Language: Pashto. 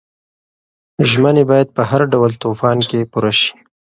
ژمنې باید په هر ډول طوفان کې پوره شي.